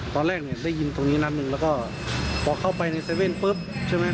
ตอนแรกได้ยินตรงนี้นัดนึงแล้วพอเข้าไปในเซเว่นปั้บใช่ไหม